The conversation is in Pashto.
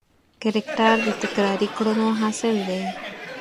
کرکټر د تکراري کړنو حاصل دی.